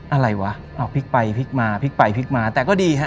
อะไรวะเอาพริกไปพริกมาพริกไปพริกมาแต่ก็ดี